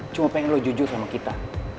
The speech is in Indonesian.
cuma pengen lo jujur sama kita